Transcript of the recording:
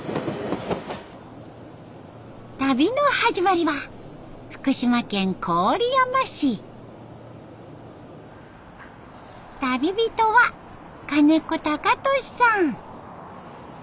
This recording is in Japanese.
旅の始まりは旅人は金子貴俊さん。